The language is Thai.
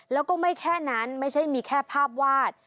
แล้วก็ไม่แค่นั้นไม่ใช่มีแค่ภาพวาด